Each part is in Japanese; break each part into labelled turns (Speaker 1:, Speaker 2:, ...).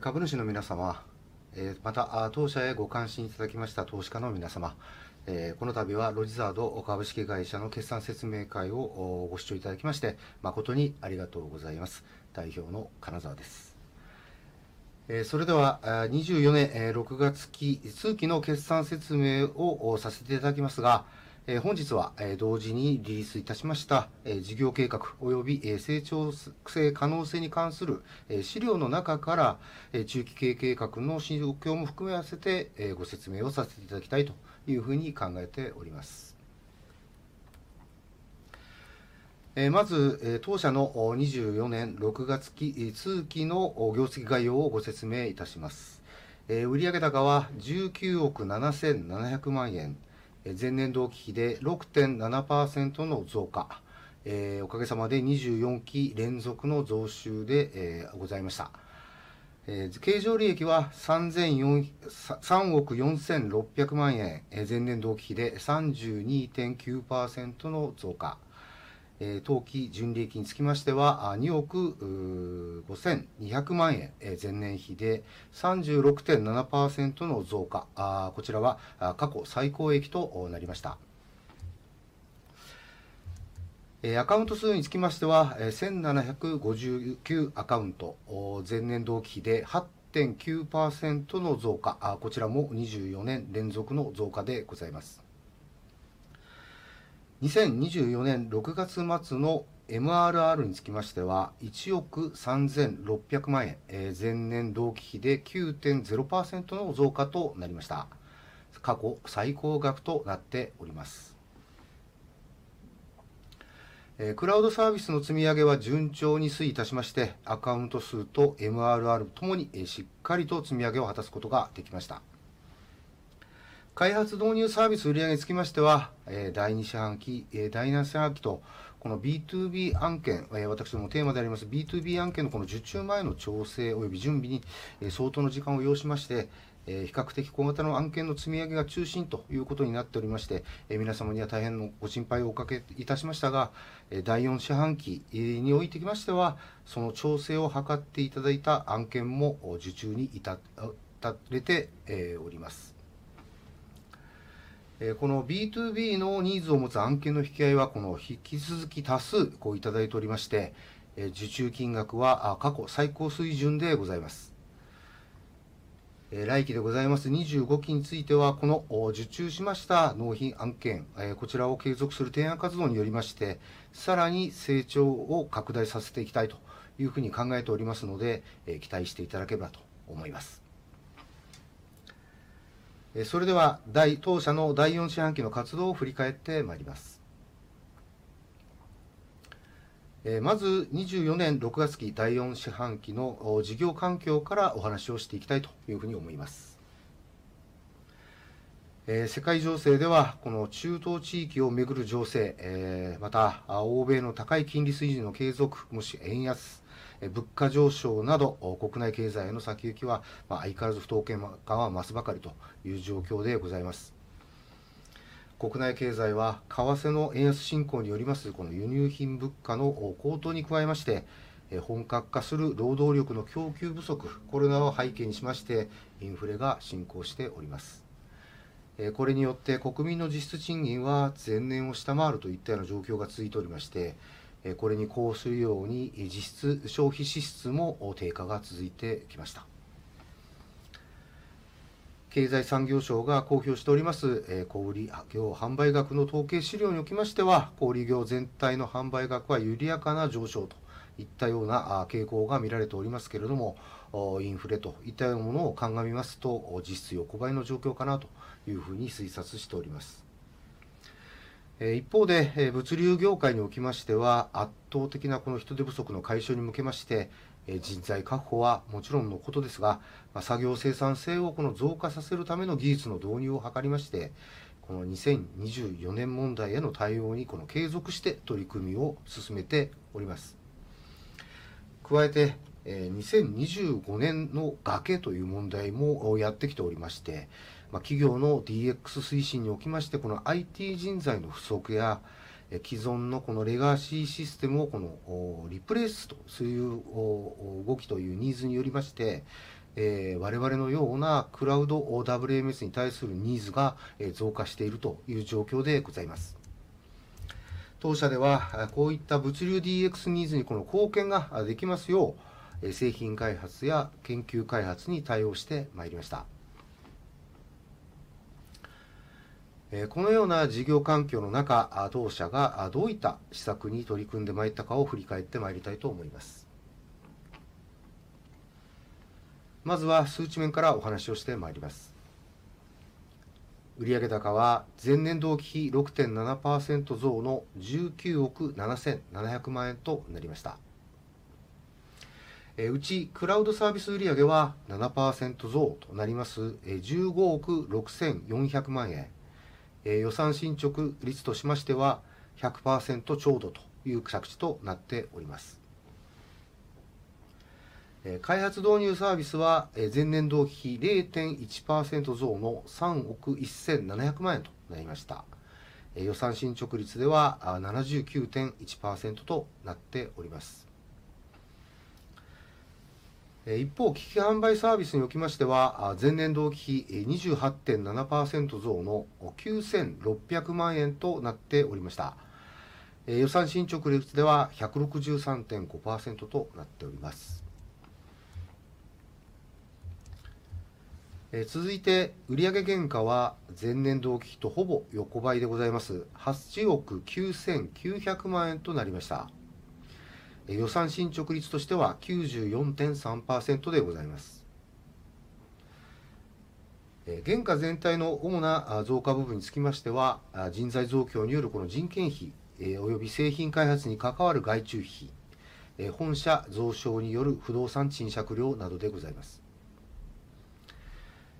Speaker 1: 株主の皆様、また、当社へご関心いただきました投資家の皆様、この度はロジザード株式会社の決算説明会をご視聴いただきまして、誠にありがとうございます。代表の金澤です。それでは24年6月期通期の決算説明をさせていただきますが、本日は同時にリリースいたしました事業計画および成長性可能性に関する資料の中から、中期経営計画の状況も含め合わせてご説明をさせていただきたいというふうに考えております。まず、当社の24年6月期通期の業績概要をご説明いたします。売上高は19億 7,700 万円、前年同期比で 6.7% の増加。おかげさまで24期連続の増収でございました。経常利益は3億 4,600 万円、前年同期比で 32.9% の増加。当期純利益につきましては、2億 5,200 万円、前年比で 36.7% の増加。こちらは過去最高益となりました。アカウント数につきましては、1,759 アカウント、前年同期比で 8.9% の増加。こちらも24年連続の増加でございます。2024年6月末の MRR につきましては、1億 3,600 万円、前年同期比で 9.0% の増加となりました。過去最高額となっております。クラウドサービスの積み上げは順調に推移いたしまして、アカウント数と MRR ともにしっかりと積み上げを果たすことができました。開発導入サービス売上につきましては、第2四半期、第4四半期と、この BtoB 案件、私どものテーマであります BtoB 案件の受注前の調整および準備に相当の時間を要しまして、比較的小型の案件の積み上げが中心ということになっておりまして、皆様には大変のご心配をおかけいたしましたが、第4四半期におきましては、その調整を図っていただいた案件も受注に至れております。この BTOB のニーズを持つ案件の引き合いは引き続き多数いただいておりまして、受注金額は過去最高水準でございます。来期でございます。25期については、この受注しました納品案件、こちらを継続する提案活動によりまして、さらに成長を拡大させていきたいというふうに考えておりますので、期待していただければと思います。それでは、当社の第4四半期の活動を振り返ってまいります。まず、24年6月期第4四半期の事業環境からお話をしていきたいというふうに思います。世界情勢では、この中東地域を巡る情勢、また欧米の高い金利水準の継続もしくは円安、物価上昇など、国内経済の先行きは相変わらず不透明感は増すばかりという状況でございます。国内経済は為替の円安進行によりますこの輸入品物価の高騰に加えまして、本格化する労働力の供給不足、これを背景にしましてインフレが進行しております。これによって国民の実質賃金は前年を下回るといったような状況が続いておりまして、これに呼応するように実質消費支出も低下が続いてきました。経済産業省が公表しております小売業販売額の統計資料におきましては、小売業全体の販売額は緩やかな上昇といったような傾向が見られておりますけれども、インフレといったようなものを鑑みますと、実質横ばいの状況かなというふうに推察しております。一方で、物流業界におきましては、圧倒的なこの人手不足の解消に向けまして、人材確保はもちろんのことですが、作業生産性を増加させるための技術の導入を図りまして、この2024年問題への対応に継続して取り組みを進めております。加えて、2025年の崖という問題もやってきておりまして、企業の DX 推進におきまして、この IT 人材の不足や既存のレガシーシステムをリプレースとする動きというニーズによりまして、我々のようなクラウド WMS に対してするニーズが増加しているという状況でございます。当社ではこういった物流 DX ニーズに貢献ができますよう、製品開発や研究開発に対応してまいりました。このような事業環境の中、同社がどういった施策に取り組んでまいったかを振り返ってまいりたいと思います。まずは数値面からお話をしてまいります。売上高は前年同期比 6.7% 増の19億 7,700 万円となりました。うちクラウドサービス売上は 7% 増となります。15億6400万円。予算進捗率としましては 100% ちょうどという着地となっております。開発導入サービスは前年同期比 0.1% 増の3億1700万円となりました。予算進捗率では 79.1% となっております。一方、機器販売サービスにおきましては、前年同期比 28.7% 増の 9,600 万円となっておりました。予算進捗率では 163.5% となっております。続いて、売上原価は前年同期比とほぼ横ばいでございます。8億 9,900 万円となりました。予算進捗率としては 94.3% でございます。原価全体の主な増加部分につきましては、人材増強によるこの人件費および製品開発に関わる外注費、本社増床による不動産賃借料などでございます。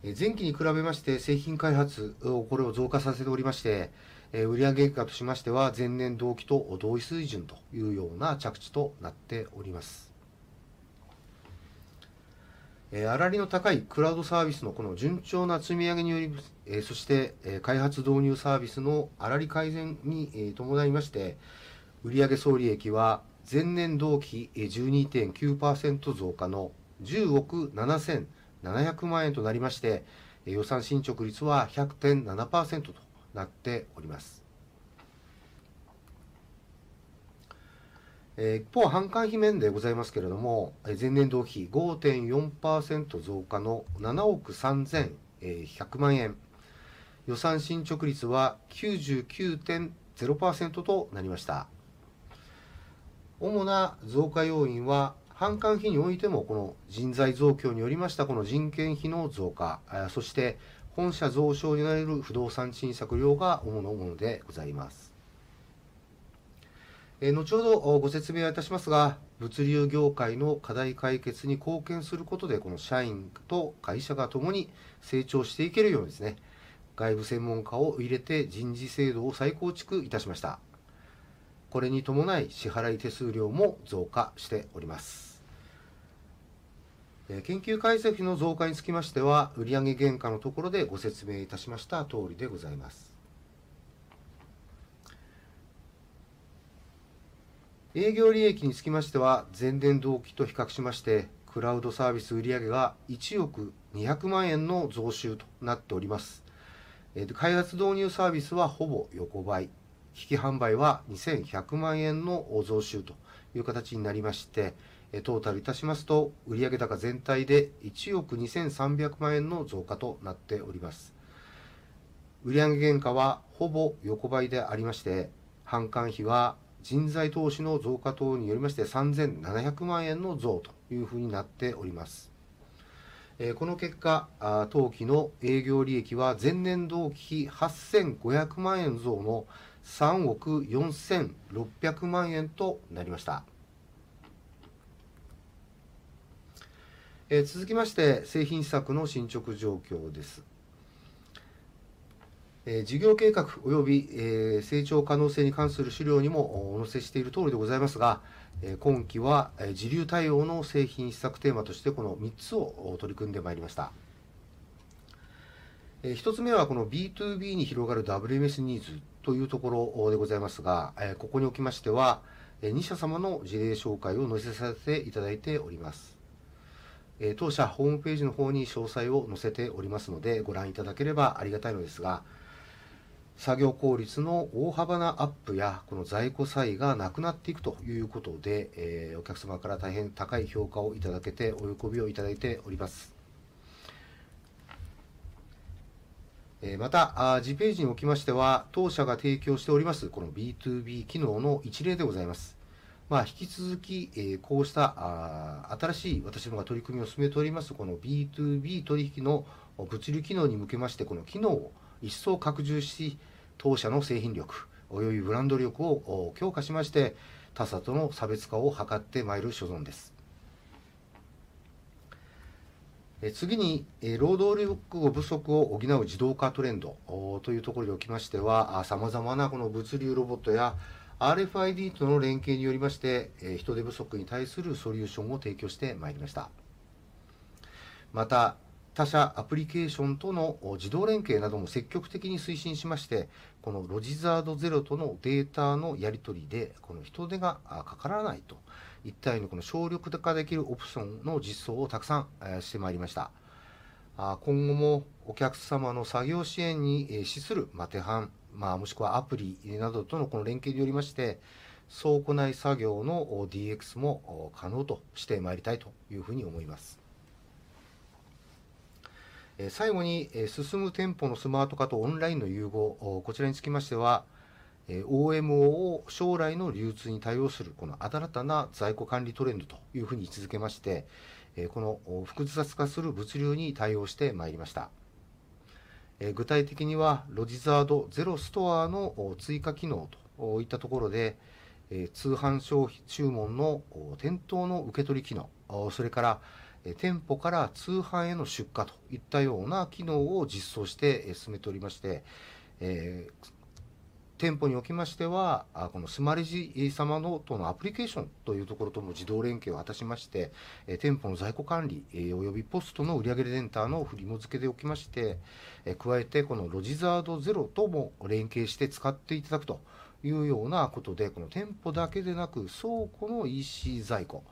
Speaker 1: 前期に比べまして、製品開発をこれを増加させておりまして、売上原価としましては、前年同期と同水準というような着地となっております。粗利の高いクラウドサービスのこの順調な積み上げにより、そして開発導入サービスの粗利改善に伴いまして、売上総利益は前年同期 12.9% 増加の10億 7,700 万円となりまして、予算進捗率は 100.7% となっております。一方、販管費面でございますけれども、前年同期比 5.4% 増加の7億 3,100 万円、予算進捗率は 99.0% となりました。主な増加要因は、販管費においても、この人材増強によりました。この人件費の増加、そして本社増床による不動産賃借料が主のものでございます。後ほどご説明をいたしますが、物流業界の課題解決に貢献することで、この社員と会社がともに成長していけるようにですね、外部専門家を入れて人事制度を再構築いたしました。これに伴い、支払い手数料も増加しております。研究開発費の増加につきましては、売上原価のところでご説明いたしましたとおりでございます。営業利益につきましては、前年同期と比較しまして、クラウドサービス売上が1億200万円の増収となっております。開発導入サービスはほぼ横ばい、機器販売は 2,100 万円の増収という形になりまして、トータルいたしますと、売上高全体で1億 2,300 万円の増加となっております。売上原価はほぼ横ばいでありまして、販管費は人材投資の増加等によりまして、3,700 万円の増というふうになっております。この結果、当期の営業利益は前年同期比 8,500 万円増の3億 4,600 万円となりました。続きまして、製品施策の進捗状況です。事業計画および成長可能性に関する資料にもお載せしているとおりでございますが、今期は時流対応の製品施策テーマとしてこの三つを取り組んでまいりました。一つ目は、この B2B に広がる WMS ニーズというところでございますが、ここにおきましては、二社様の事例紹介を載せさせていただいております。当社ホームページの方に詳細を載せておりますので、ご覧いただければありがたいのですが、作業効率の大幅なアップや在庫差異がなくなっていくということで、お客様から大変高い評価をいただけて、お喜びをいただいております。また、次ページにおきましては、当社が提供しております、この B2B 機能の一例でございます。引き続き、こうした新しい私どもが取り組みを進めております、この B2B 取引の物流機能に向けまして、この機能を一層拡充し、当社の製品力およびブランド力を強化しまして、他社との差別化を図ってまいる所存です。次に、労働力不足を補う自動化トレンドというところにおきましては、様々なこの物流ロボットや RFID との連携によりまして、人手不足に対するソリューションを提供してまいりました。また、他社アプリケーションとの自動連携なども積極的に推進しまして、このロジザードゼロとのデータのやりとりで、この人手がかからないといったように、この省力化できるオプションの実装をたくさんしてまいりました。今後もお客様の作業支援に資する手販もしくはアプリなどとの連携によりまして、倉庫内作業の DX も可能としてまいりたいというふうに思います。最後に、進む店舗のスマート化とオンラインの融合。こちらにつきましては、OMO を将来の流通に対応するこの新たな在庫管理トレンドというふうに位置付けまして、この複雑化する物流に対応してまいりました。具体的には、ロジザードゼロストアの追加機能といったところで、通販商品注文の店頭の受け取り機能、それから店舗から通販への出荷といったような機能を実装して進めておりまして。店舗におきましては、このスマレジ様とのアプリケーションというところとも自動連携を果たしまして、店舗の在庫管理およびポストの売り上げデータの振り分けでおきまして、加えて、このロジザードゼロとも連携して使っていただくということで、この店舗だけでなく、倉庫の EC 在庫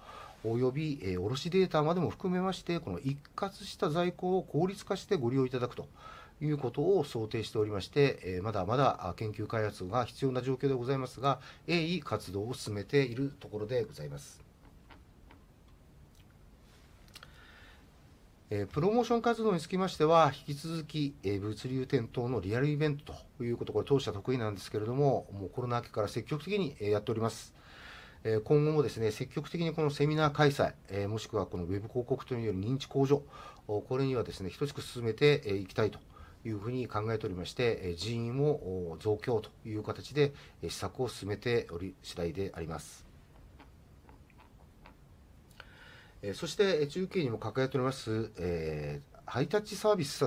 Speaker 1: および卸データまでも含めまして、この一括した在庫を効率化してご利用いただくということを想定しておりまして、まだまだ研究開発が必要な状況でございますが、鋭意活動を進めているところでございます。プロモーション活動につきましては、引き続き物流店頭のリアルイベントということ、当社得意なんですけれども、コロナ明けから積極的にやっております。今後もですね、積極的にこのセミナー開催、もしくはこのウェブ広告という認知向上、これにはですね、等しく進めていきたいというふうに考えておりまして、人員を増強という形で施策を進めております次第であります。そして、中計にも掲げておりますハイタッチサービス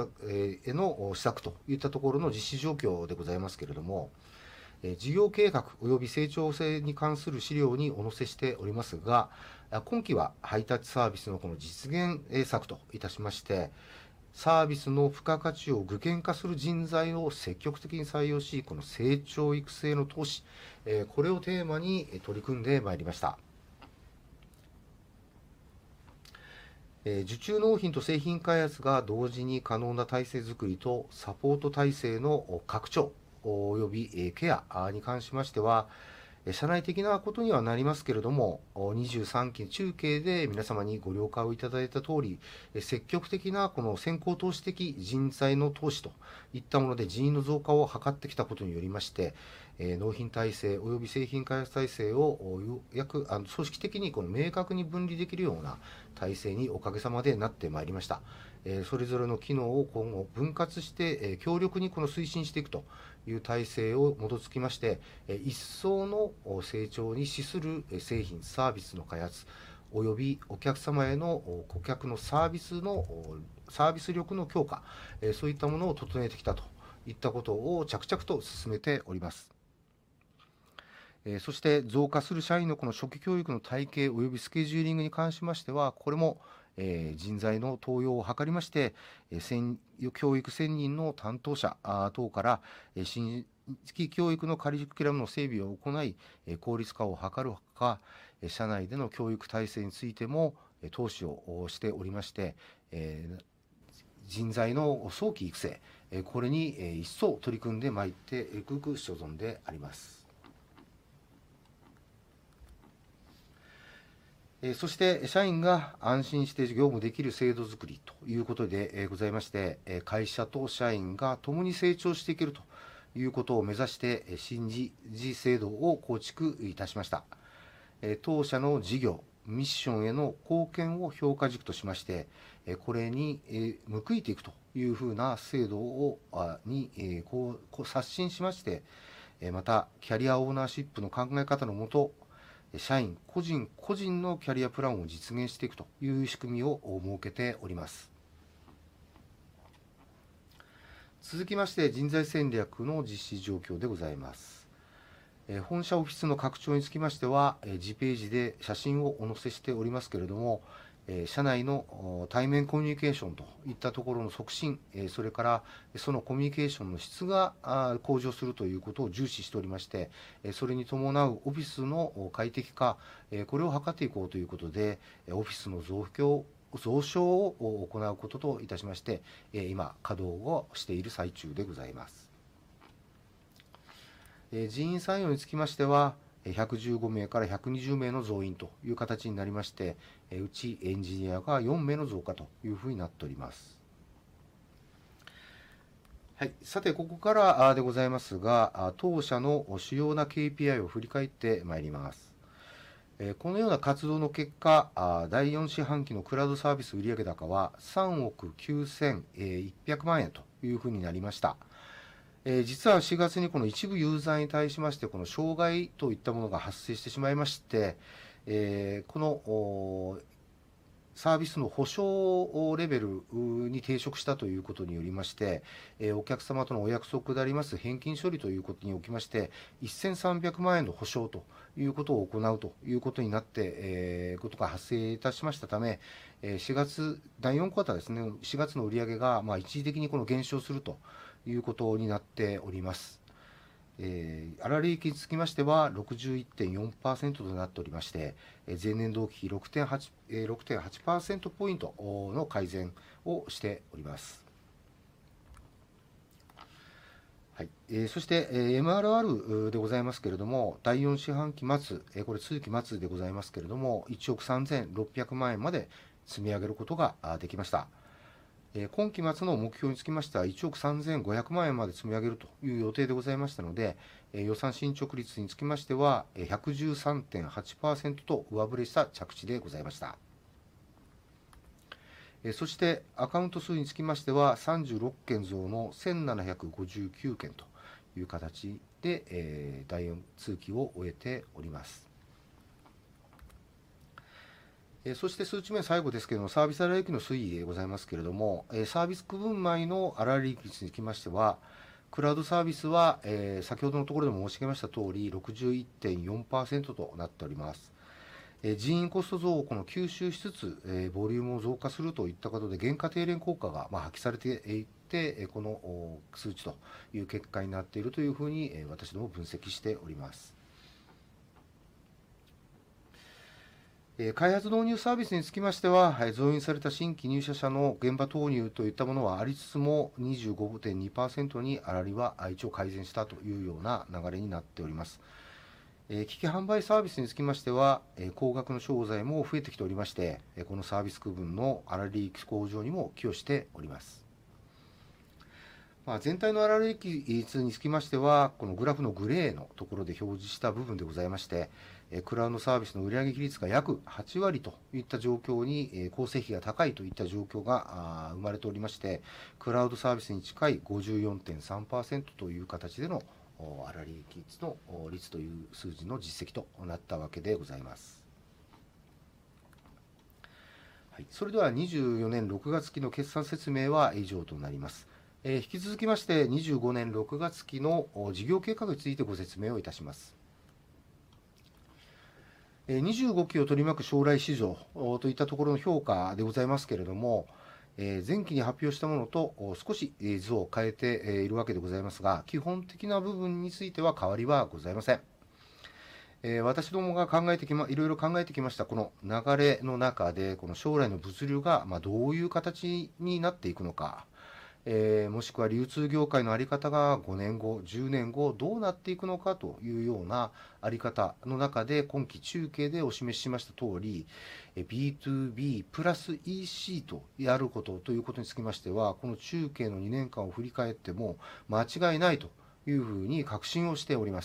Speaker 1: への施策といったところの実施状況でございますけれども、事業計画および成長性に関する資料にお載せしておりますが、今期は配達サービスの実現策といたしまして、サービスの付加価値を具現化する人材を積極的に採用し、この成長育成の投資、これをテーマに取り組んでまいりました。受注、納品と製品開発が同時に可能な体制づくりとサポート体制の拡張およびケアに関しましては、社内的なことにはなりますけれども、23年中計で皆様にご了解をいただいた通り、積極的なこの先行投資的人材の投資といったもので、人員の増加を図ってきたことによりまして、納品体制および製品開発体制を組織的に明確に分離できるような体制におかげさまでなってまいりました。それぞれの機能を今後分割して強力にこの推進していくという体制を基づきまして、一層の成長に資する製品サービスの開発およびお客様への顧客のサービスのサービス力の強化、そういったものを整えてきたということを着々と進めております。そして、増加する社員のこの初期教育の体系およびスケジューリングに関しましては、これも人材の登用を図りまして、教育専任の担当者等から新入社員教育のカリキュラムの整備を行い、効率化を図るほか、社内での教育体制についても投資をしておりまして、人材の早期育成、これに一層取り組んでまいていく所存であります。そして、社員が安心して業務できる制度づくりということでございまして、会社と社員が共に成長していけるということを目指して、新維持制度を構築いたしました。当社の事業ミッションへの貢献を評価軸としまして、これに報いていくというふうな制度を刷新しまして、また、キャリアオーナーシップの考え方の下、社員個人個人のキャリアプランを実現していくという仕組みを設けております。続きまして、人材戦略の実施状況でございます。本社オフィスの拡張につきましては、次ページで写真をお載せしておりますけれども、社内の対面コミュニケーションといったところの促進、それからそのコミュニケーションの質が向上するということを重視しておりまして、それに伴うオフィスの快適化、これを図っていこうということで、オフィスの増強、増床を行うこととしまして、今稼働をしている最中でございます。人員採用につきましては、115名から120名の増員という形になりまして、うちエンジニアが4名の増加というふうになっております。さて、ここからでございますが、当社の主要な KPI を振り返ってまいります。このような活動の結果、第4四半期のクラウドサービス売上高は ¥391,000,000 というふうになりました。実は4月にこの一部ユーザーに対しまして、この障害といったものが発生してしまいまして、このサービスの保証レベルに抵触したということによりまして、お客様とのお約束であります返金処理ということにおきまして、1,300 万円の補償ということを行うということになったことが発生いたしましたため、4月第4四半期ですね。4月の売り上げが一時的に減少するということになっております。粗利益につきましては 61.4% となっておりまして、前年同期比 6.8% ポイントの改善をしております。そして MRR でございますけれども、第4四半期末、これ通期末でございますけれども、1億 3,600 万円まで積み上げることができました。今期末の目標につきましては、1億 3,500 万円まで積み上げるという予定でございましたので、予算進捗率につきましては 113.8% と上振れした着地でございました。そして、アカウント数につきましては、36件増の 1,759 件という形で第4四半期を終えております。そして数値面。最後ですけども、サービス粗利益の推移でございますけれども、サービス区分毎の粗利益率につきましては、クラウドサービスは先ほどのところでも申し上げました通り、61.4% となっております。人員コスト増を吸収しつつ、ボリュームを増加するといったことで、原価低減効果が発揮されていって、この数値という結果になっているというふうに私ども分析しております。開発導入サービスにつきましては、増員された新規入社者の現場投入といったものはありつつも、25.2% に粗利は一応改善したというような流れになっております。機器販売サービスにつきましては、高額の商材も増えてきておりまして、このサービス区分の粗利益向上にも寄与しております。全体の粗利益率につきましては、このグラフのグレーのところで表示した部分でございまして、クラウドサービスの売上比率が約8割といった状況に、構成比が高いといった状況が生まれておりまして、クラウドサービスに近い 54.3% という形での粗利益率の率という数字の実績となったわけでございます。はい、それでは二十四年六月期の決算説明は以上となります。引き続きまして、二十五年六月期の事業計画についてご説明をいたします。二十五期を取り巻く将来市場といったところの評価でございますけれども、前期に発表したものと少し図を変えているわけでございますが、基本的な部分については変わりはございません。私どもが考えてきて、いろいろ考えてきました。この流れの中で、この将来の物流がどういう形になっていくのか、もしくは流通業界のあり方が5年後、10年後どうなっていくのかというようなあり方の中で、今期中計でお示ししました通り、B2B プラス EC とやることということにつきましては、この中計の2年間を振り返っても間違いないというふうに確信をしておりま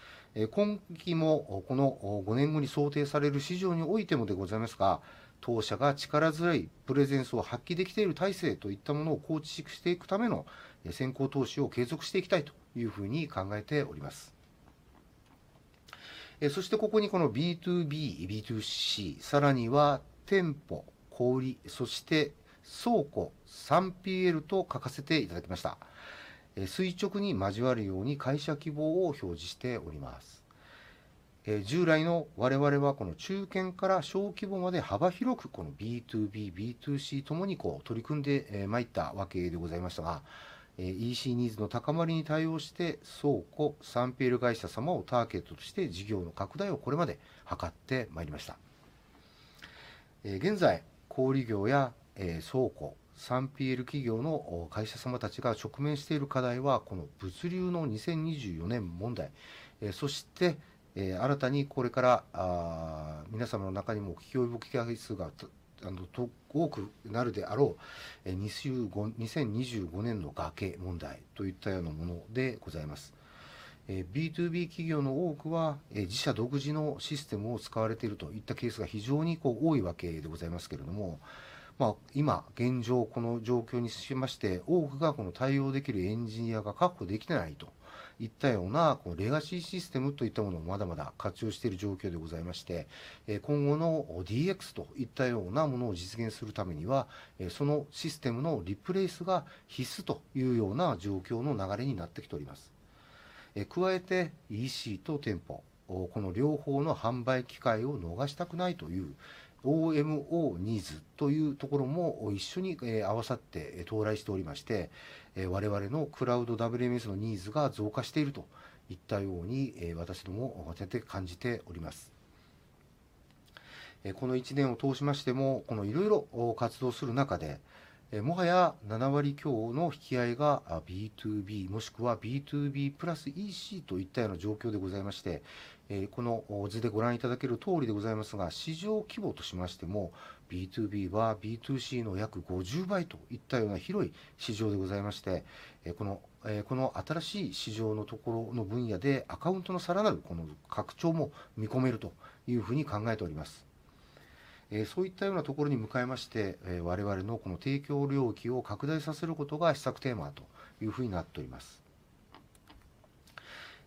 Speaker 1: す。今期も、この5年後に想定される市場においてもでございますが、当社が力強いプレゼンスを発揮できている体制といったものを構築していくための先行投資を継続していきたいというふうに考えております。そして、ここにこの B2B、B2C、さらには店舗小売、そして倉庫 3PL と書かせていただきました。垂直に交わるように会社規模を表示しております。従来の我々はこの中堅から小規模まで幅広く、この BtoB、BtoC ともに取り組んでまいったわけでございましたが、EC ニーズの高まりに対応して、倉庫 3PL 会社様をターゲットとして事業の拡大をこれまで図ってまいりました。現在、小売業や倉庫、3PL 企業の会社様たちが直面している課題は、この物流の2024年問題、そして新たにこれから皆様の中にも聞き覚えが多くなるであろう2025年の崖問題といったようなものでございます。B2B 企業の多くは、自社独自のシステムを使われているといったケースが非常に多いわけでございますけれども、今、現状、この状況にしまして、多くがこの対応できるエンジニアが確保できていないといったような、レガシーシステムといったものをまだまだ活用している状況でございまして、今後の DX といったようなものを実現するためには、そのシステムのリプレースが必須というような状況の流れになってきております。加えて、EC と店舗、この両方の販売機会を逃したくないという OMO ニーズというところも一緒に合わさって到来しておりまして、我々のクラウド WMS のニーズが増加しているといったように、私どもも感じております。この一年を通しましても、このいろいろ活動する中で、もはや七割強の引き合いが B2B、もしくは B2B プラス EC といったような状況でございまして、この図でご覧いただける通りでございますが、市場規模としましても、B2B は B2C の約五十倍といったような広い市場でございまして、この新しい市場のところの分野でアカウントのさらなる拡張も見込めるというふうに考えております。そういったようなところに向かいまして、我々のこの提供領域を拡大させることが施策テーマというふうになっております。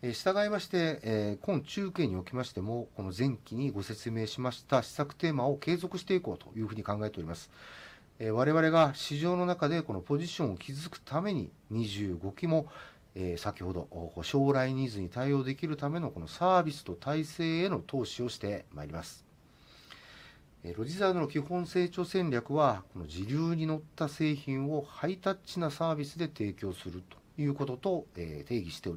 Speaker 1: 従いまして、今中計におきましても、この前期にご説明しました施策テーマを継続していこうというふうに考えております。我々が市場の中でこのポジションを築くために、二十五期も先ほど将来ニーズに対応できるためのサービスと体制への投資をしてまいります。ロジサードの基本成長戦略は、時流に乗った製品をハイタッチなサービスで提供するということと定義してお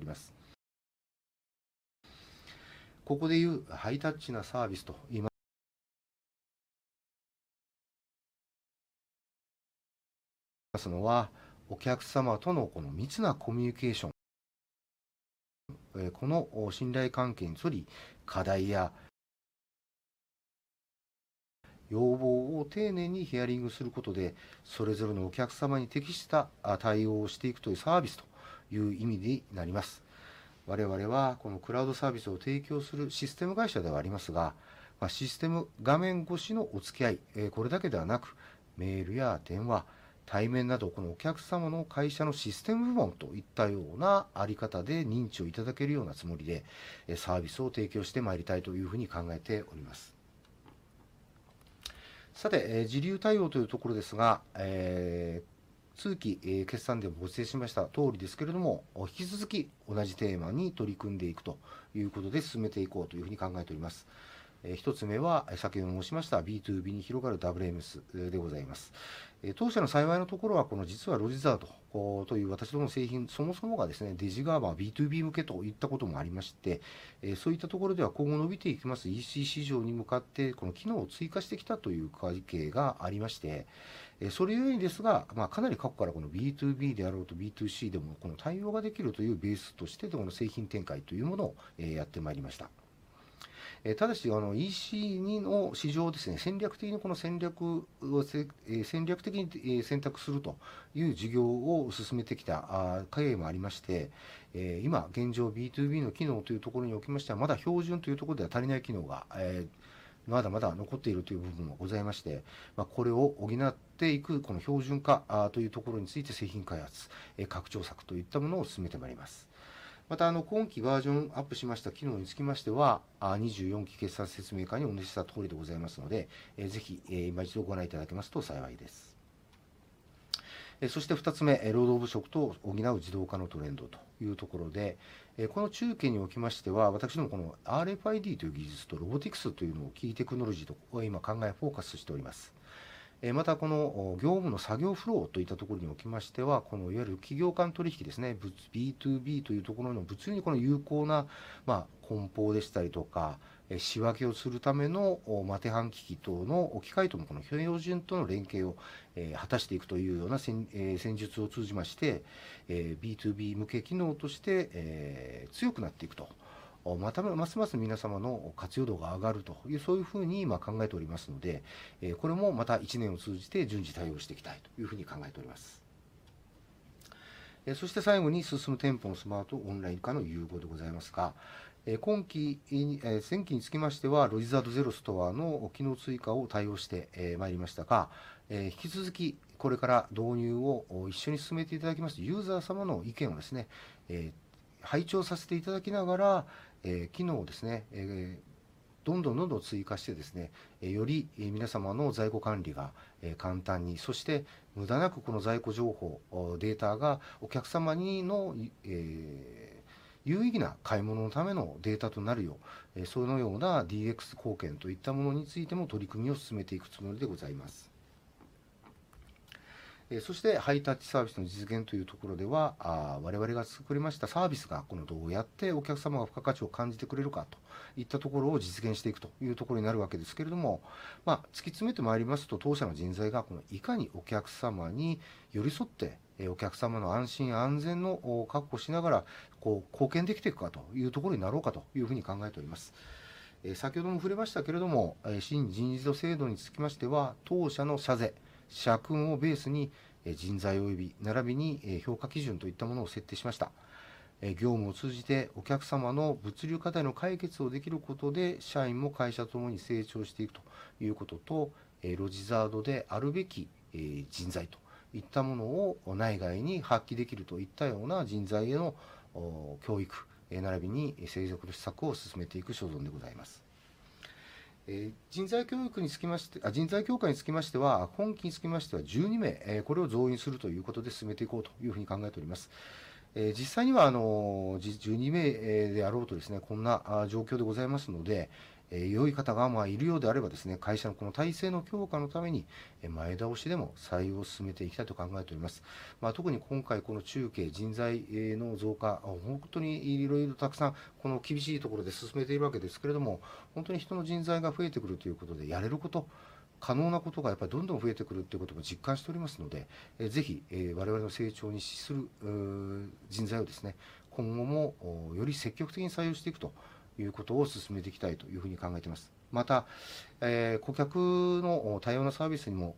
Speaker 1: ります。ここで言うハイタッチなサービスといいます。のは、お客様との密なコミュニケーション。この信頼関係に基づき、課題や要望を丁寧にヒアリングすることで、それぞれのお客様に適した対応をしていくというサービスという意味になります。我々は、このクラウドサービスを提供するシステム会社ではありますが、システム画面越しのお付き合い、これだけではなく、メールや電話、対面など、お客様の会社のシステム部門といったようなあり方で認知をいただけるようなつもりでサービスを提供してまいりたいというふうに考えております。さて、時流対応というところですが、通期決算でもご説明しました通りですけれども、引き続き同じテーマに取り組んでいくということで進めていこうというふうに考えております。1つ目は、先ほど申しました BtoB に広がる WMS でございます。当社の幸いのところは、この実はロジザードという私どもの製品そもそもがですね、デジタル BtoB 向けといったこともありまして、そういったところでは今後伸びていきます EC 市場に向かってこの機能を追加してきたという背景がありまして。それ故にですが、かなり過去からこの BTOB であろうと、BTOC でもこの対応ができるというベースとして、この製品展開というものをやってまいりました。ただし、あの EC の市場ですね、戦略的にこの戦略を戦略的に選択するという事業を進めてきた経緯もありまして、えー、今、現状、BTOB の機能というところにおきましては、まだ標準というところでは足りない機能がまだまだ残っているという部分もございまして、これを補っていく。この標準化というところについて、製品開発拡張策といったものを進めてまいります。また、今期バージョンアップしました機能につきましては、24期決算説明会にお見せしたとおりでございますので、ぜひ今一度ご覧いただけますと幸いです。そして2つ目、労働不足を補う自動化のトレンドというところで、この中計におきましては、私どもこの RFID という技術とロボティクスというキーテクノロジーに、今考えフォーカスしております。また、この業務の作業フローといったところにおきましては、このいわゆる企業間取引ですね。BTOB というところの物流に、この有効な、まあ、梱包でしたりとか、仕分けをするための手ハン機器等の機械との標準との連携を果たしていくというような戦術を通じまして、BTOB 向け機能として強くなっていくと。ますます皆様の活用度が上がるという、そういうふうに今考えておりますので、これもまた1年を通じて順次対応していきたいというふうに考えております。そして最後に、進む店舗のスマートオンライン化の融合でございますが、今期、先期につきましては、ロジザードゼロストアの機能追加を対応してまいりましたが、引き続きこれから導入を一緒に進めていただきまして、ユーザー様の意見をですね、拝聴させていただきながら、機能をですね、どんどんどんどん追加してですね、より皆様の在庫管理が簡単に、そして無駄なく、この在庫情報データがお客様にの有意義な買い物のためのデータとなるよう、そのような DX 貢献といったものについても取り組みを進めていくつもりでございます。そして、ハイタッチサービスの実現というところでは、我々が作りましたサービスが、このどうやってお客様が付加価値を感じてくれるかといったところを実現していくというところになるわけですけれども、突き詰めてまいりますと、当社の人材がこのいかにお客様に寄り添って、お客様の安心安全の確保しながら貢献できていくかというところになろうかというふうに考えております。先ほども触れましたけれども、新人事制度につきましては、当社の社是社訓をベースに、人材および評価基準といったものを設定しました。業務を通じてお客様の物流課題の解決をできることで、社員も会社とともに成長していくということと、ロジザードであるべき人材といったものを内外に発揮できるといったような人材への教育、並びに成育の施策を進めていく所存でございます。人材教育につきまして、人材強化につきましては、今期につきましては12 名、これを増員するということで進めていこうというふうに考えております。実際には、あの、12名であろうとですね、こんな状況でございますので、良い方がいるようであればですね、会社のこの体制の強化のために前倒しでも採用を進めていきたいと考えております。特に今回、この中計、人材の増加、本当にいろいろたくさん、この厳しいところで進めているわけですけれども、本当に人の人材が増えてくるということで、やれること、可能なことがやっぱりどんどん増えてくるということも実感しておりますので、ぜひ我々の成長に資する人材をですね、今後もより積極的に採用していくということを進めていきたいというふうに考えています。また、顧客の多様なサービスにも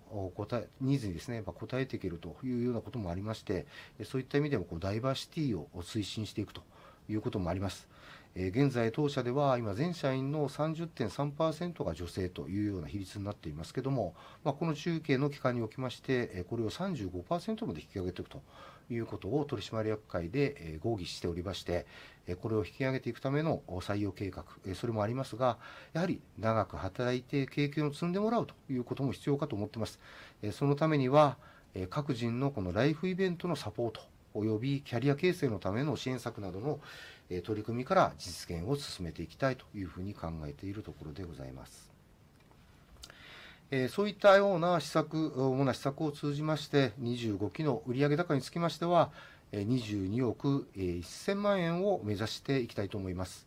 Speaker 1: ニーズにですね、応えていけるというようなこともありまして、そういった意味でもダイバーシティを推進していくということもあります。現在、当社では今、全社員の 30.3% が女性というような比率になっていますけども、この中計の期間におきまして、これを 35% まで引き上げていくということを取締役会で合議しておりまして、これを引き上げていくための採用計画、それもありますが、やはり長く働いて経験を積んでもらうということも必要かと思っています。そのためには、各人のこのライフイベントのサポートおよびキャリア形成のための支援策などの取り組みから実現を進めていきたいというふうに考えているところでございます。そういったような施策、主な施策を通じまして、25期の売上高につきましては、22億 1,000 万円を目指していきたいと思います。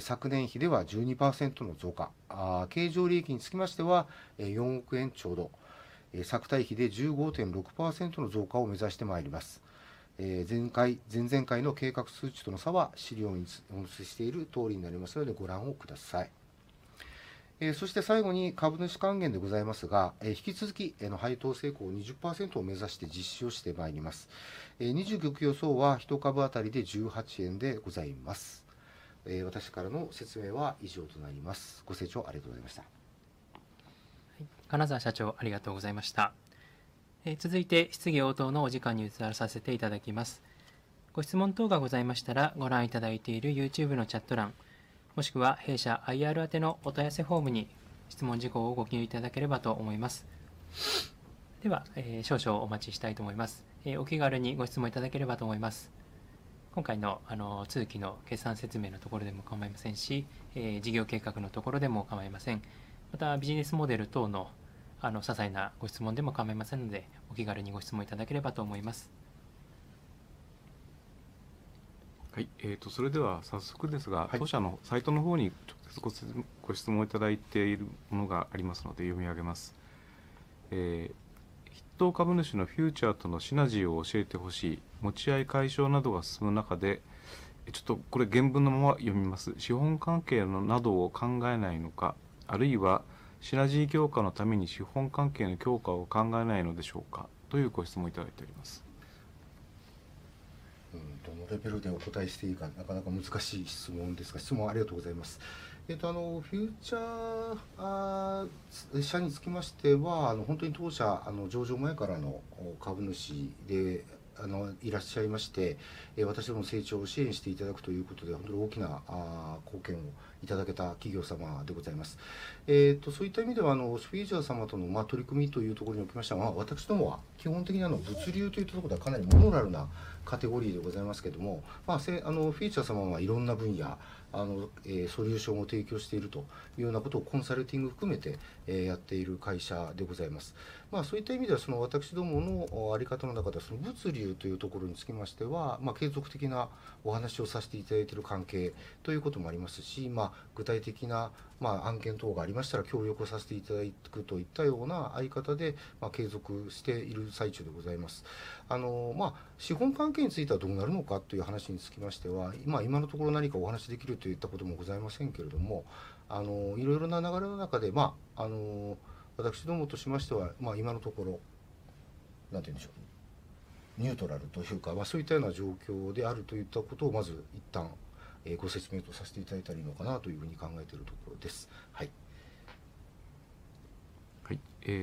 Speaker 1: 昨年比では 12% の増加、経常利益につきましては4億円ちょうど。昨対比で 15.6% の増加を目指してまいります。前回、前々回の計画数値との差は資料にお見せしている通りになりますので、ご覧ください。そして最後に株主還元でございますが、引き続き配当性向 20% を目指して実施をしてまいります。25期予想は1株当たりで18円でございます。私からの説明は以上となります。ご清聴ありがとうございました。
Speaker 2: 金澤社長、ありがとうございました。続いて、質疑応答のお時間に移らせていただきます。ご質問等がございましたら、ご覧いただいている YouTube のチャット欄、もしくは弊社 IR あてのお問い合わせフォームに質問事項をご記入いただければと思います。では、少々お待ちしたいと思います。お気軽にご質問いただければと思います。今回の通期の決算説明のところでも構いませんし、事業計画のところでも構いません。また、ビジネスモデル等の些細なご質問でも構いませんので、お気軽にご質問いただければと思います。
Speaker 3: はい。それでは早速ですが、当社のサイトの方に直接ご質問をいただいているものがありますので、読み上げます。筆頭株主のフューチャーとのシナジーを教えてほしい。持ち合い解消などが進む中で、ちょっとこれ原文のまま読みます。資本関係などを考えないのか、あるいはシナジー強化のために資本関係の強化を考えないのでしょう か？ というご質問をいただいております。
Speaker 1: どのレベルでお答えしていいか、なかなか難しい質問ですが、質問ありがとうございます。えっと、あのフューチャー社につきましては、本当に当社上場前からの株主でいらっしゃいまして、私どもの成長を支援していただくということで、本当に大きな貢献をいただけた企業様でございます。えーと、そういった意味では、あのフューチャー様との取り組みというところにおきましては、私どもは基本的には物流といったところではかなりモラルなカテゴリーでございますけども、まあ、あのフューチャー様はいろんな分野、あのソリューションを提供しているというようなことをコンサルティング含めてやっている会社でございます。まあ、そういった意味では、その私どものあり方の中では、物流というところにつきましては、継続的なお話をさせていただいている関係ということもありますし、具体的な案件等がありましたら協力をさせていただくといったような相方で継続している最中でございます。あの、まあ、資本関係についてはどうなるのかという話につきましては、今のところ何かお話しできるといったこともございませんけれども、いろいろな流れの中で、まあ、あの、私どもとしましては、まあ今のところ、なんていうんでしょうか、ニュートラルというか、そういったような状況であるといったことをまず一旦ご説明とさせていただいたのかなというふうに考えているところです。はい。
Speaker 3: はい。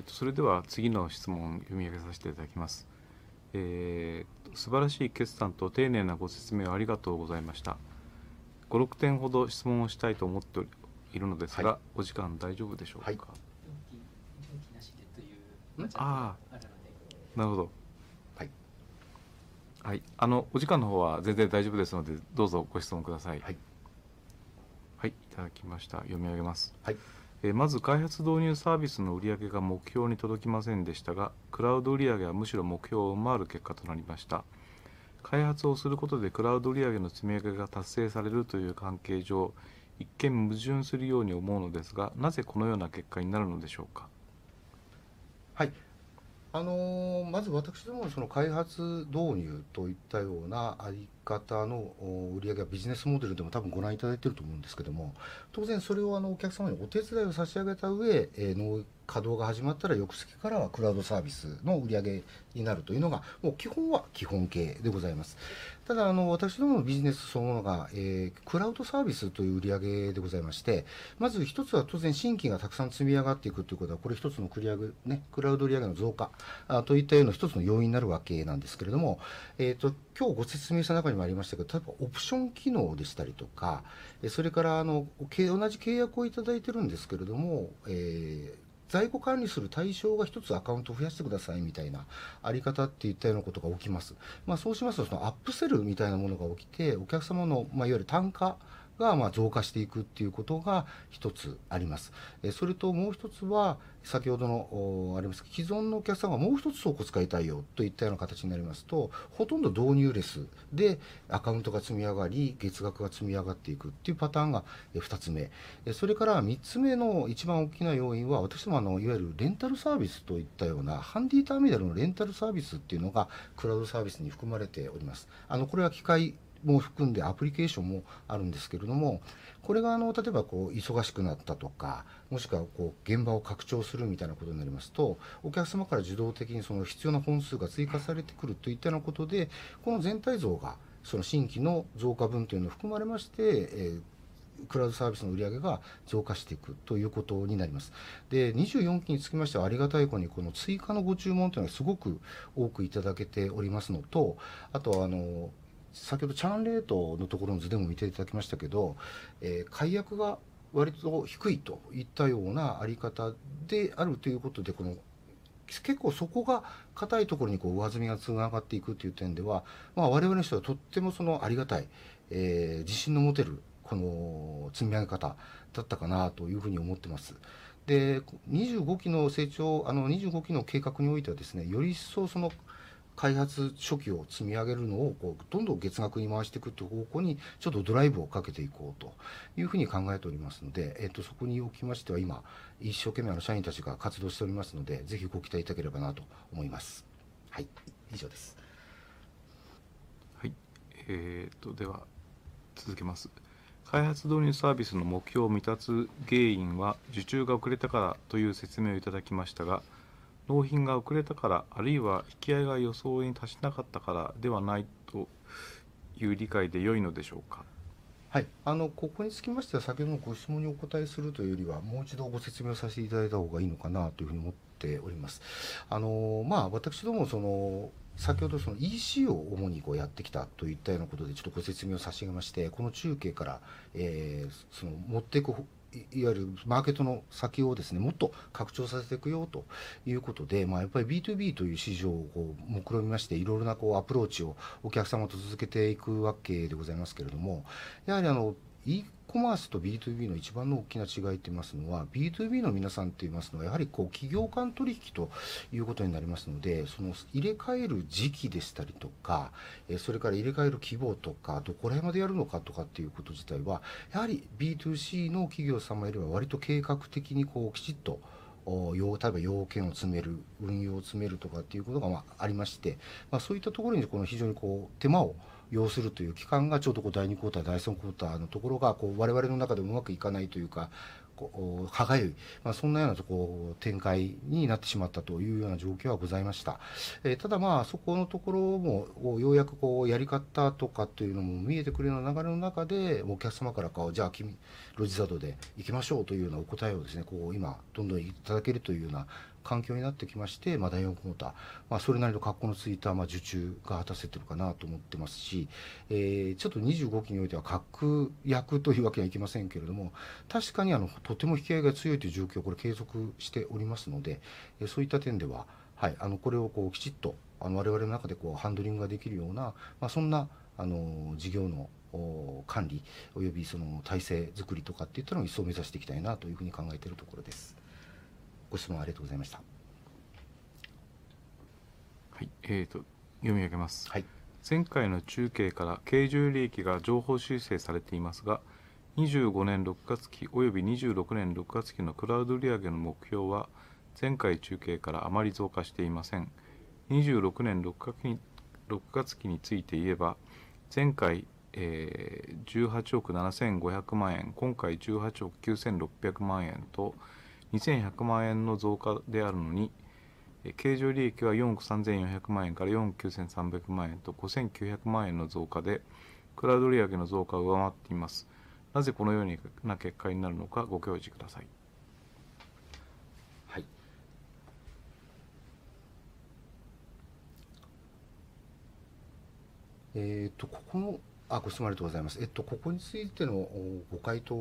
Speaker 3: それでは次の質問を読み上げさせていただきます。えー、素晴らしい決算と丁寧なご説明ありがとうございました。5、6点ほど質問をしたいと思っているのですが、お時間大丈夫でしょうか。
Speaker 2: という。
Speaker 3: ああ、なるほど。はい。はい。あのお時間の方は全然大丈夫ですので、どうぞご質問ください。はいはい、いただきました。読み上げます。はい。まず、開発導入サービスの売上が目標に届きませんでしたが、クラウド売上はむしろ目標を上回る結果となりました。開発をすることでクラウド売上の積み上げが達成されるという関係上、一見矛盾するように思うのですが、なぜこのような結果になるのでしょうか。
Speaker 1: はい。あの、まず私どものその開発導入といったようなあり方の売上は、ビジネスモデルでも多分ご覧いただいていると思うんですけども、当然それをお客様にお手伝いを差し上げた上で、稼働が始まったら、翌月からはクラウドサービスの売上になるというのが基本は基本形でございます。ただ、私どものビジネスそのものがクラウドサービスという売上でございまして、まず一つは当然新規がたくさん積み上がっていくということは、これ一つの売上、クラウド売上の増加といったような一つの要因になるわけなんですけれども。今日ご説明した中にもありましたけど、例えばオプション機能でしたりとか、それから同じ契約をいただいているんですけれども、在庫管理する対象が一つアカウントを増やしてくださいみたいなあり方っていったようなことが起きます。そうしますと、アップセルみたいなものが起きて、お客様のいわゆる単価が増加していくということが一つあります。それともう一つは、先ほどのあります。既存のお客様がもう一つ倉庫使いたいよといったような形になりますと、ほとんど導入レスでアカウントが積み上がり、月額が積み上がっていくというパターンが2つ目。それから3つ目の一番大きな要因は、私どものいわゆるレンタルサービスといったようなハンディターミナルのレンタルサービスっていうのがクラウドサービスに含まれております。これは機械も含んでアプリケーションもあるんですけれども、これが例えば忙しくなったとか、もしくは現場を拡張するみたいなことになりますと、お客様から自動的にその必要な本数が追加されてくるといったようなことで、この全体像がその新規の増加分というのも含まれまして、クラウドサービスの売上が増加していくということになります。で、24期につきましては、ありがたいことにこの追加のご注文というのはすごく多くいただけておりますのと、あと、あの先ほどチャーンレートのところの図でも見ていただきましたけど、解約が割と低いといったようなあり方であるということで、この結構底が硬いところに上積みが上がっていくという点では、我々としてはとってもありがたい、自信の持てる積み上げ方だったかなというふうに思ってます。で、25期の成長、25期の計画においてはですね、より一層その開発初期を積み上げるのをどんどん月額に回していくという方向にちょっとドライブをかけていこうというふうに考えておりますので、そこにおきましては、今一生懸命の社員たちが活動しておりますので、ぜひご期待いただければなと思います。はい、以上です。
Speaker 3: はい。えーと、では続けます。開発導入サービスの目標を満たず、原因は受注が遅れたからという説明をいただきましたが、納品が遅れたから、あるいは引き合いが予想に達しなかったからではないという理解で良いのでしょうか。
Speaker 1: はい。あの、ここにつきましては、先ほどのご質問にお答えするというよりは、もう一度ご説明をさせていただいた方がいいのかなというふうに思っております。あの、まあ、私どももその先ほど EC を主にやってきたといったようなことで、ちょっとご説明を差し上げまして、この中計からその持っていく、いわゆるマーケットの先をですね、もっと拡張させていくよということで、やっぱり BtoB という市場を目論みまして、いろいろなアプローチをお客様と続けていくわけでございますけれども、やはりあの、E コマースと BtoB の一番の大きな違いといいますのは、BtoB の皆さんといいますのは、やはり企業間取引ということになりますので、その入れ替える時期でしたりとか、それから入れ替える規模とか、どこら辺までやるのかっていうこと自体は、やはり BtoC の企業様よりは割と計画的にきちっと要件を詰める、運用を詰めるとかっていうことがありまして。そういったところに非常に手間を要するという期間が、ちょうど第2クオーター、第3クオーターのところが、我々の中でもうまくいかないというか、歯がゆい、そんなような展開になってしまったというような状況はございました。ただ、そこのところもようやくやり方とかというのも見えてくるような流れの中で、お客様からじゃあロジサドでいきましょうというようなお答えをですね、今どんどんいただけるというような環境になってきまして、第4クオーター、それなりの格好のついた受注が立たせているかなと思ってますし、ちょっと25期においては確約というわけにはいきませんけれども、確かにとても引き合いが強いという状況、これ継続しておりますので、そういった点では、はい、これをきちっと我々の中でハンドリングができるような、そんな事業の管理およびその体制作りかっていうのを一層目指していきたいなというふうに考えているところです。ご質問ありがとうございました。
Speaker 3: はい、読み上げます。はい。前回の中計から経常利益が上方修正されていますが、25年6月期および26年6月期のクラウド売上の目標は前回中計からあまり増加していません。26年6月期、6月期について言えば、前回18億 7,500 万円、今回18億 9,600 万円と 2,100 万円の増加であるのに、経常利益は4億 3,400 万円から4億 9,300 万円と 5,900 万円の増加で、クラウド売上の増加を上回っています。なぜこのような結果になるのか、ご教示ください。
Speaker 1: はい。えーと、ここの。ご質問ありがとうございます。ここについてのご回答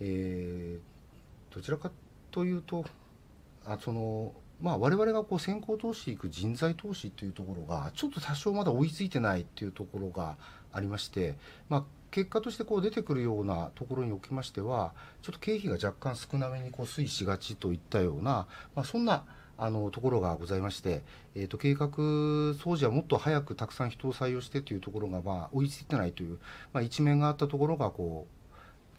Speaker 1: というところでありますけれども、えー、どちらかというと、その、我々が先行投資いく人材投資というところがちょっと多少まだ追いついていないというところがありまして、結果として出てくるようなところにおきましては、ちょっと経費が若干少なめに推移しがちといったような、そんなところがございまして。計画当初はもっと早くたくさん人を採用してというところが追いついていないという一面があったところが、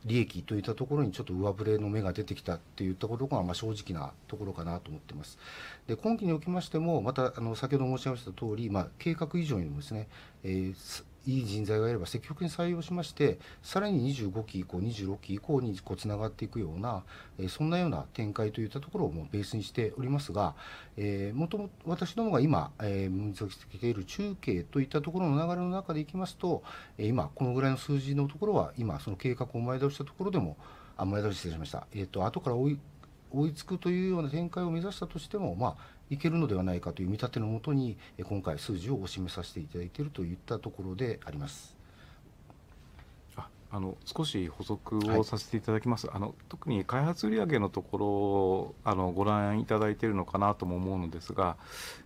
Speaker 1: 利益といったところにちょっと上振れの目が出てきたといったところが正直なところかなと思っています。今期におきましても、また、先ほど申し上げたとおり、計画以上にもですね、いい人材がいれば積極的に採用しまして、さらに25期以降、26期以降に繋がっていくような、そんなような展開といったところをベースにしておりますが、もともと私どもが今分析している中計といったところの流れの中でいきますと、今このぐらいの数字のところは、今その計画を前倒ししたところでも、前倒ししてしまいました。後から追いつくというような展開を目指したとしても、いけるのではないかという見立てのもとに、今回数字をお示しさせていただいているといったところであります。
Speaker 3: 少し補足をさせていただきます。特に開発売上のところをご覧いただいているのかなとも思うのですが、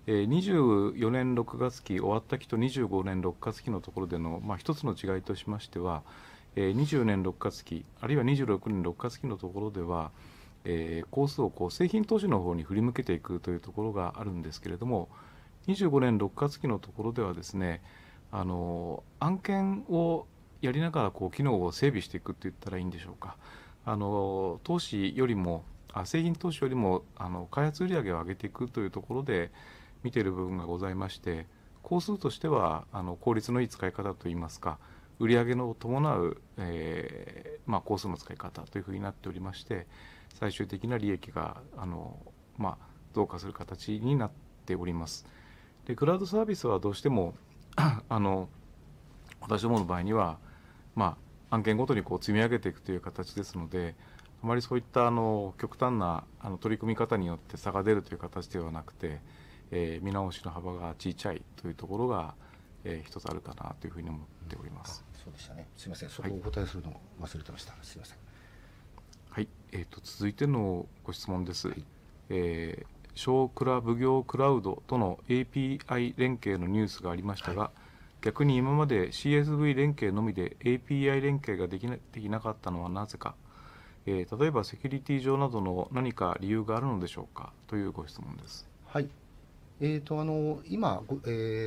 Speaker 3: 24年6月期終わった期と25年6月期のところでの一つの違いとしましては、24年6月期あるいは26年6月期のところでは、工数を製品投資の方に振り向けていくというところがあるんですけれども、25年6月期のところではですね、案件をやりながら機能を整備していくと言ったらいいんでしょうか。あの投資よりも製品投資よりも開発売上を上げていくというところで見ている部分がございまして、工数としては効率のいい使い方といいますか、売上の伴う工数の使い方というふうになっておりまして、最終的な利益が増加する形になっております。クラウドサービスはどうしても、あの、私どもの場合には、まあ案件ごとに積み上げていくという形ですので、あまりそういった極端な取り組み方によって差が出るという形ではなくて、見直しの幅が小さいというところが一つあるかなというふうに思っております。
Speaker 1: そうでしたね。すみません。そこをお答えするのを忘れてました。すみません。
Speaker 3: はい。続いてのご質問です。小倉奉行クラウドとの API 連携のニュースがありましたが、逆に今まで CSV 連携のみで API 連携ができなかったのはなぜか。例えばセキュリティ上などの何か理由があるのでしょう か？ というご質問です。
Speaker 1: はい。えーと、あの、今、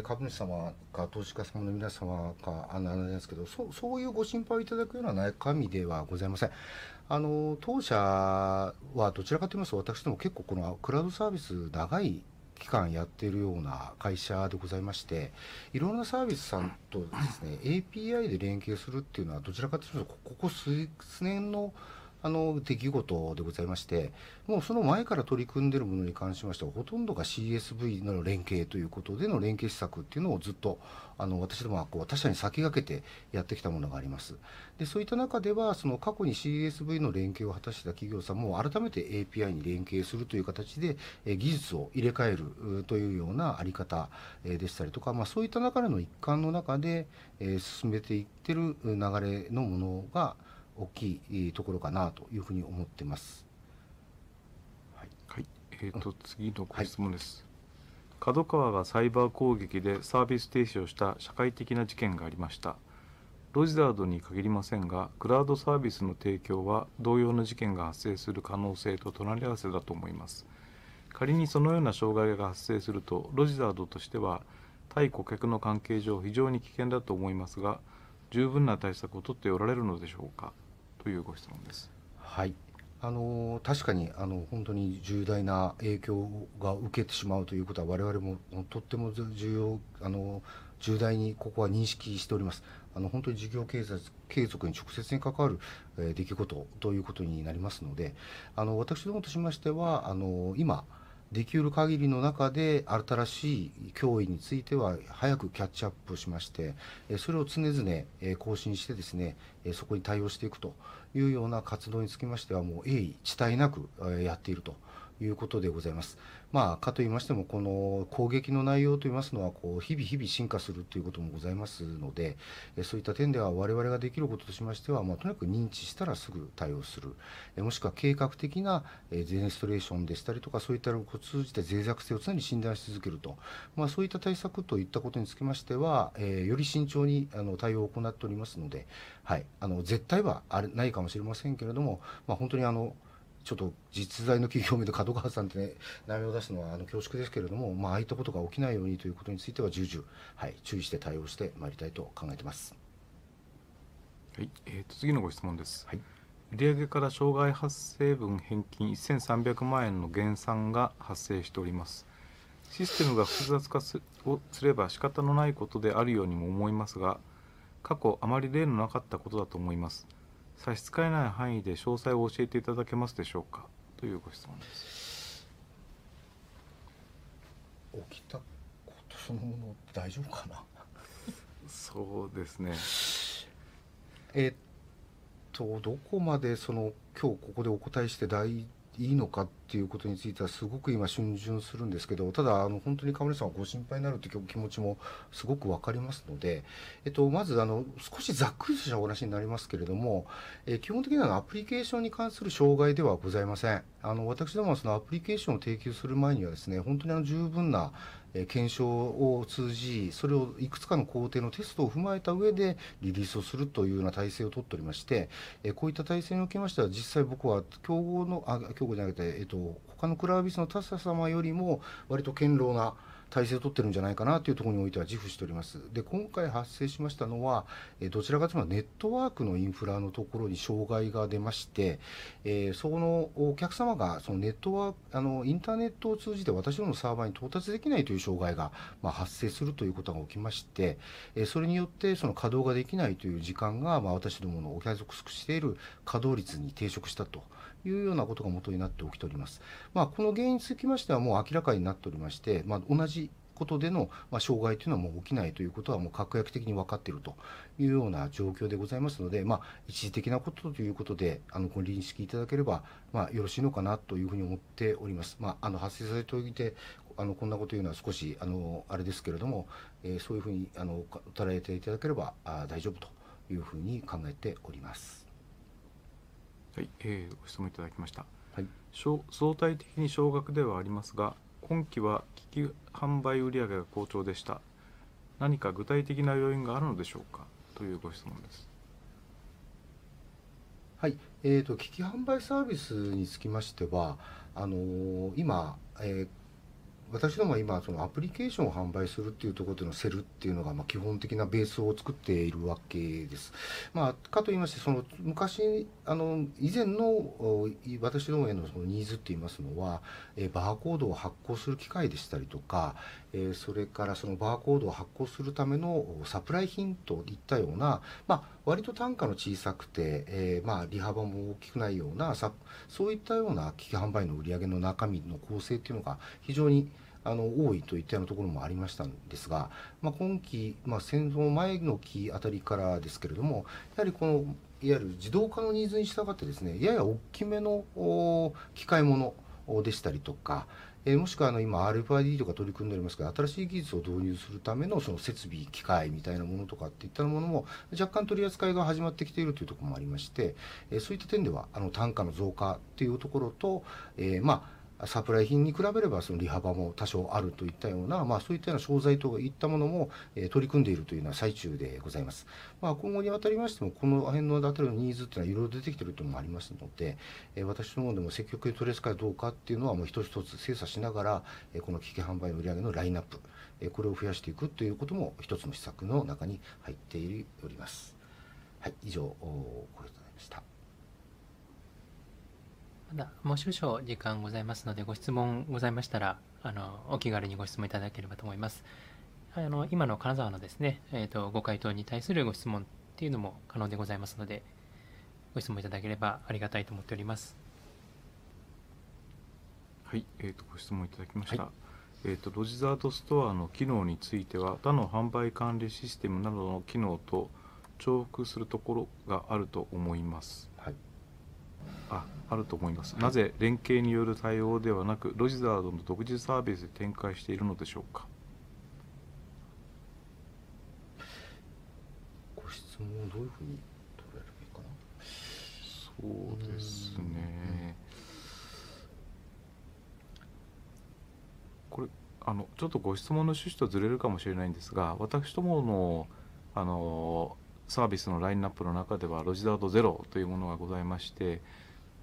Speaker 1: 株主様か投資家様の皆様かあれなんですけど、そういうご心配をいただくような中身ではございません。当者はどちらかと言いますと、私ども結構このクラウドサービス長い期間やっているような会社でございまして、いろんなサービスさんとですね、API で連携するっていうのは、どちらかというとここ数年の出来事でございまして、もうその前から取り組んでいるものに関しましては、ほとんどが CSV の連携ということでの連携施策っていうのを、ずっと私どもは他社に先駆けてやってきたものがあります。そういった中では、その過去に CSV の連携を果たした企業さんも、改めて API に連携するという形で技術を入れ替えるというようなあり方でしたりとか、そういった中での一環の中で進めていってる流れのものが大きいところかなというふうに思っています。
Speaker 3: はい。はい。次のご質問です。角川がサイバー攻撃でサービス停止をした社会的な事件がありました。ロジザードに限りませんが、クラウドサービスの提供は同様の事件が発生する可能性と隣り合わせだと思います。仮にそのような障害が発生すると、ロジザードとしては対顧客の関係上非常に危険だと思いますが、十分な対策をとっておられるのでしょうか？というご質問です。
Speaker 1: はい、確かに本当に重大な影響を受けてしまうということは、我々もとっても重要、重大にここは認識しております。本当に事業経済継続に直接に関わる出来事ということになりますので、私どもとしましては、今でき得る限りの中で、新しい脅威については早くキャッチアップをしまして、それを常々更新してですね、そこに対応していくというような活動につきましては、もう鋭意遅滞なくやっているということでございます。まあかと言いましても、この攻撃の内容といいますのは、日々日々進化するということもございますので、そういった点では我々ができることとしましては、とにかく認知したらすぐ対応する、もしくは計画的なデモンストレーションでしたりとか、そういったものを通じて脆弱性を常に診断し続けると。そういった対策ということにつきましては、より慎重に対応を行っておりますので、はい、絶対はないかもしれませんけれども、本当にあの、ちょっと実在の企業名で角川さんって名前を出すのは恐縮ですけれども、ああいったことが起きないようにということについては、重々注意して対応してまいりたいと考えています。
Speaker 3: はい、次のご質問です。はい。売上から障害発生分返金 1,300 万円の減算が発生しております。システムが複雑化すれば仕方のないことであるようにも思いますが、過去あまり例のなかったことだと思います。差し支えない範囲で詳細を教えていただけますでしょう か？ というご質問です。
Speaker 1: 起きたことそのもの。大丈夫かな。
Speaker 3: そうですね。
Speaker 1: えっと、どこまでその今日ここでお答えしていいのかということについては、すごく今逡巡するんですけど、ただ、本当にカメラさん、ご心配になるという気持ちもすごくわかりますので、まず少しざっくりしたお話になりますけれども、基本的にはアプリケーションに関する障害ではございません。私どもはアプリケーションを提供する前にはですね、本当に十分な検証を通じ、それをいくつかの工程のテストを踏まえた上でリリースをするというような体制をとっておりまして、こういった体制を受けまして、実際、僕は競合の競合ではなくて、他のクラウドサービスの他社様よりも割と堅牢な体制をとっているんじゃないかなというところにおいては自負しております。で、今回発生しましたのは、どちらかというとネットワークのインフラのところに障害が出まして、そのお客様がネットワーク、インターネットを通じて私どものサーバーに到達できないという障害が発生するということが起きまして、それによってその稼働ができないという時間が、私どものお約束している稼働率に抵触したというようなことが元になって起きております。この原因につきましてはもう明らかになっておりまして、同じことでの障害というのはもう起きないということはもう確約的にわかっているというような状況でございますので、一時的なこととして認識いただければよろしいのかなというふうに思っております。発生させておいて、こんなことを言うのは少しあれですけれども、そういうふうに捉えていただければ大丈夫というふうに考えております。
Speaker 3: はい、ご質問いただきました。はい。相対的に少額ではありますが、今期は機器販売売上が好調でした。何か具体的な要因があるのでしょう か？ というご質問です。
Speaker 1: はい。えーと、機器販売サービスにつきましては、あの、今、私どもは今、アプリケーションを販売するっていうところでのセルっていうのが基本的なベースを作っているわけです。かと言いましても、昔、あの以前の私どものニーズって言いますのは、バーコードを発行する機械でしたりとか、それからそのバーコードを発行するためのサプライ品といったような、まあ割と単価の小さくて、まあ利幅も大きくないような、そういったような機器販売の売上の中身の構成というのが非常に多いといったようなところもありましたのですが、今期、先ほどの前の期あたりからですけれども、やはりこのいわゆる自動化のニーズに従ってですね、やや大きめの機械ものでしたりとか、もしくは今 RFID とか取り組んでおりますが、新しい技術を導入するための設備機械みたいなものとかっていったものも若干取り扱いが始まってきているというところもありまして、そういった点では単価の増加っていうところと、まあサプライ品に比べれば利幅も多少あるといったような、そういったような商材といったものも取り組んでいるというのは最中でございます。今後にあたりましても、この辺のあたりのニーズというのはいろいろ出てきているところもありますので、私どもも積極的に取り扱うかどうかというのは一つ一つ精査しながら、この機器販売売上のラインアップ、これを増やしていくということも一つの施策の中に入っております。はい、以上をお答えしました。
Speaker 2: まだもう少々時間ございますので、ご質問ございましたら、お気軽にご質問いただければと思います。今の金沢のですね、ご回答に対するご質問っていうのも可能でございますので、ご質問いただければありがたいと思っております。
Speaker 3: はい、ご質問いただきました。ロジザードストアの機能については、他の販売管理システムなどの機能と重複するところがあると思います。はい、あると思います。なぜ連携による対応ではなく、ロジザードの独自サービスで展開しているのでしょうか。
Speaker 1: ご質問をどういうふうに取ればいいかな。
Speaker 3: そうですね。これ、あのちょっとご質問の趣旨とずれるかもしれないんですが、私どものあのサービスのラインナップの中では、ロジザードゼロというものがございまして、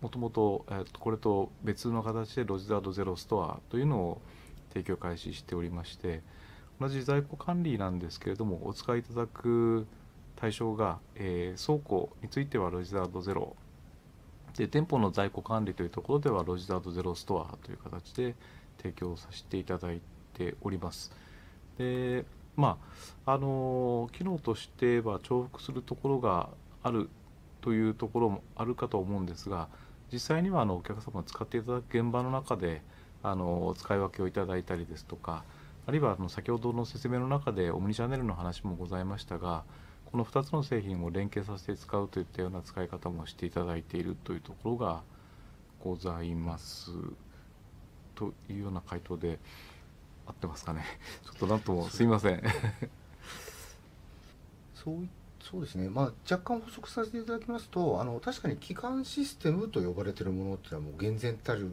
Speaker 3: もともとこれと別の形でロジザードゼロストアというのを提供開始しておりまして、同じ在庫管理なんですけれども、お使いいただく対象が倉庫についてはロジザードゼロで、店舗の在庫管理というところではロジザードゼロストアという形で提供させていただいております。で、まあその機能としては重複するところがあるというところもあるかと思うんですが、実際にはお客様が使っていただく現場の中で使い分けをいただいたりですとか、あるいは先ほどの説明の中でオムニチャネルの話もございましたが、この2つの製品を連携させて使うといったような使い方もしていただいているというところがございます。というような回答で合ってますかね。ちょっとなんともすみません。
Speaker 1: そうですね。まあ若干補足させていただきますと、確かに基幹システムと呼ばれているものというのは、もう厳然たる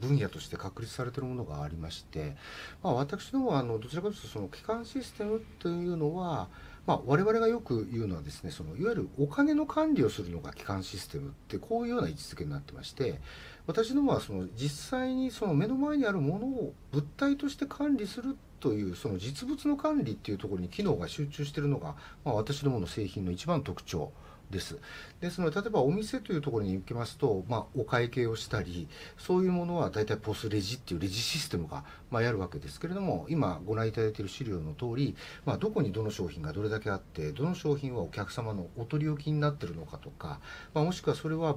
Speaker 1: 分野として確立されているものがありまして、私どもはどちらかというと、その基幹システムというのは、我々がよく言うのですね、そのいわゆるお金の管理をするのが基幹システムって、こういうような位置づけになってまして、私どもは実際にその目の前にあるものを物体として管理するという、その実物の管理っていうところに機能が集中しているのが、私どもの製品の一番の特徴です。ですので、例えばお店というところに行きますと、お会計をしたり、そういうものは大体 POS レジっていうレジシステムがやるわけですけれども、今ご覧いただいている資料のとおり、どこにどの商品がどれだけあって、どの商品はお客様のお取り置きになっているのかとか、もしくはそれは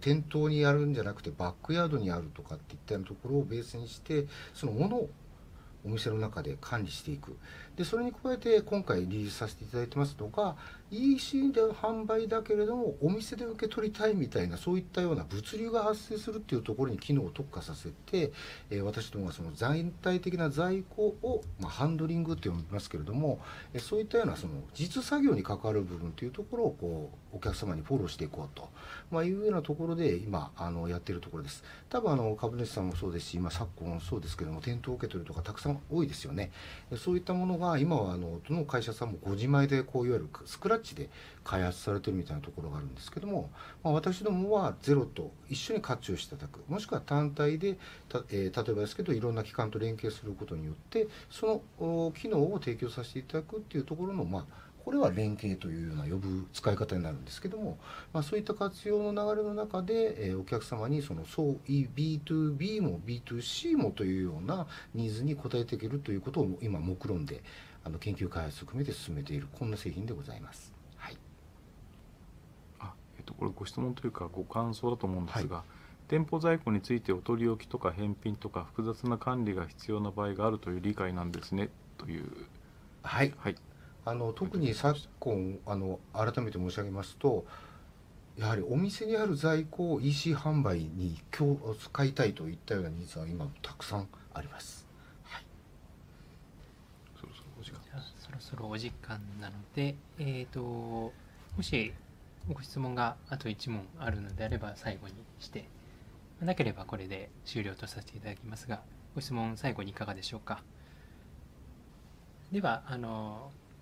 Speaker 1: 店頭にあるんじゃなくて、バックヤードにあるとかっていったようなところをベースにして、そのものをお店の中で管理していく。それに加えて、今回リリースさせていただいてますのが、EC での販売だけれども、お店で受け取りたいみたいな、そういったような物流が発生するっていうところに機能を特化させて、私どもは全体的な在庫をハンドリングって呼びますけれども、そういったような、その実作業に関わる部分というところをお客様にフォローしていこうというようなところで、今やっているところです。多分、株主さんもそうですし、今昨今そうですけども、店頭受け取りとかたくさん多いですよね。そういったものが今はどの会社さんもご自前で、こういわゆるスクラッチで開発されているみたいなところがあるんですけども、私どもはゼロと一緒に活用していただく、もしくは単体で、例えばですけど、いろんな基幹と連携することによって、その機能を提供させていただくっていうところの、まあこれは連携というような呼び方使い方になるんですけども、そういった活用の流れの中で、お客様にそのそう、BtoB も BtoC もというようなニーズに応えていけるということを今目論んで研究開発を含めて進めている、こんな製品でございます。はい。
Speaker 3: あ、えっと、これ、ご質問というかご感想だと思うんですが、店舗在庫についてお取り置きとか返品とか、複雑な管理が必要な場合があるという理解なんですね。という。
Speaker 1: はい。はい。特に昨今、改めて申し上げますと、やはりお店にある在庫を EC 販売に使いたいといったようなニーズは今たくさんあります。はい。
Speaker 3: そろそろお時間。
Speaker 2: そろそろお時間なので、えーと、もしご質問があと1問あるのであれば最後にして、なければこれで終了とさせていただきますが、ご質問最後にいかがでしょうか。では、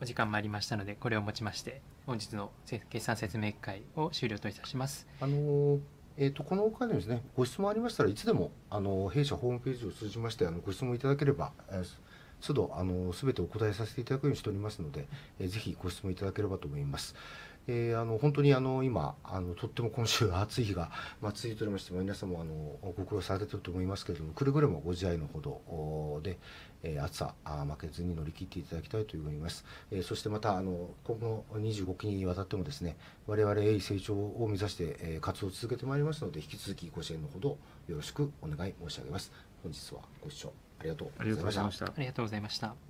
Speaker 2: お時間もありましたので、これをもちまして本日の決算説明会を終了といたします。
Speaker 1: あの、この他にもですね、ご質問ありましたらいつでも弊社ホームページを通じましてご質問いただければ、都度すべてお答えさせていただくようにしておりますので、ぜひご質問いただければと思います。本当に今、とっても今週暑い日が続いておりまして、皆様もご苦労されていると思いますけれども、くれぐれもご自愛のほどで、暑さ負けずに乗り切っていただきたいと思います。そしてまた、今後25期にわたってもですね、我々成長を目指して活動を続けてまいりますので、引き続きご支援のほどよろしくお願い申し上げます。本日はご視聴ありがとうございました。
Speaker 3: ありがとうございました。
Speaker 2: ありがとうございました。